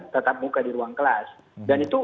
tatap muka di ruang kelas dan itu